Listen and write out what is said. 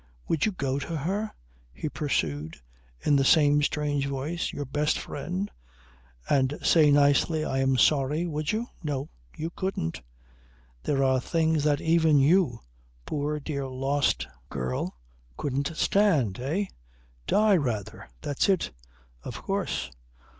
"Would you go to her?" he pursued in the same strange voice. "Your best friend! And say nicely I am sorry. Would you? No! You couldn't. There are things that even you, poor dear lost girl, couldn't stand. Eh? Die rather. That's it. Of course.